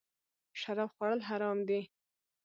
شراب خوړل حرام دی